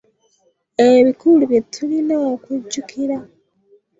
Ebikulu bye tulina okujjukira.